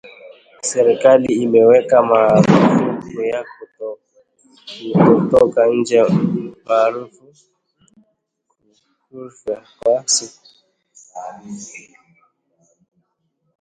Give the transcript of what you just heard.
Serikali imeweka marufuku ya kutotoka nje maaruf Curfew kwa siku